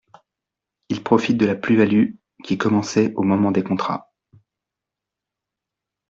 Il profite de la plus-value, qui commençait au moment des contrats.